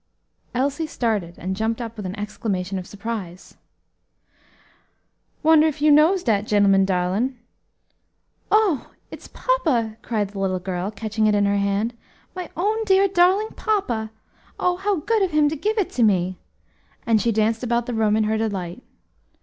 Elsie started and jumped up with an exclamation of surprise. "Wonder if you knows dat gen'leman, darlin'?" laughed Chloe. "Oh! it is papa," cried the little girl, catching it in her hand, "my own dear, darling papa! oh! how good of him to give it to me!" and she danced about the room in her delight.